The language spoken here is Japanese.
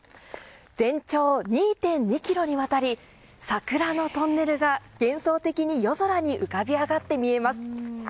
全長２．２ｋｍにわたり桜のトンネルが幻想的に夜空に浮かび上がって見えます。